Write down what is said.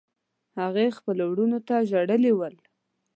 هغې خپلو وروڼو ته ژړلي ول.